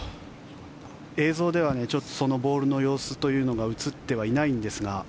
映像ではそのボールの様子というのが映ってはいないんですが。